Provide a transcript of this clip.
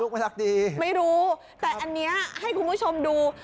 ไม่รู้แต่อันนี้ให้คุณผู้ชมดู